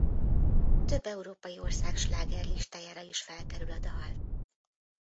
Több európai ország slágerlistájára is felkerül a dal.